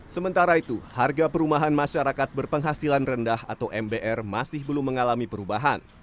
sementara itu harga perumahan masyarakat berpenghasilan rendah atau mbr masih belum mengalami perubahan